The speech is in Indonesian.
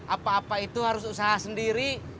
apa apa itu harus usaha sendiri